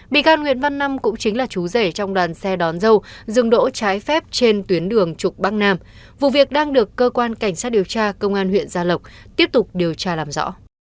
bị can nguyễn văn năm cũng chính là chú rể trong đoàn xe đón dâu dừng đỗ trái phép trên tuyến đường trục bắc nam vụ việc đang được cơ quan cảnh sát điều tra công an huyện gia lộc tiếp tục điều tra làm rõ